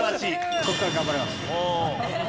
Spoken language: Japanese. ここから頑張ります。